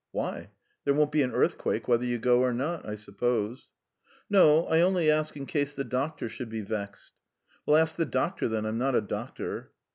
"Why? There won't be an earthquake whether you go or not, I suppose ...." "No, I only ask in case the doctor should be vexed." "Well, ask the doctor, then; I'm not a doctor."